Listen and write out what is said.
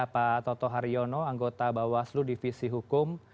pak toto haryono anggota bawaslu divisi hukum